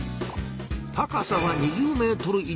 高さは２０ｍ以上！